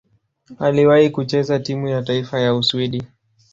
Aliwahi kucheza timu ya taifa ya Uswidi.